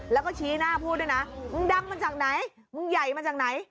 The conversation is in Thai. แล้วก็ชี้หน้าพูดด้วยนะมึงดังมาจากไหนมึงใหญ่มาจากไหน